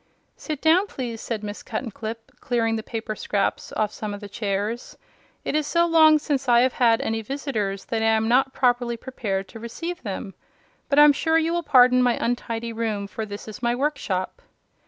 "Sit down, please," said Miss Cuttenclip, clearing the paper scraps off some of the chairs. "It is so long since I have had any visitors that I am not properly prepared to receive them. But I'm sure you will pardon my untidy room, for this is my workshop."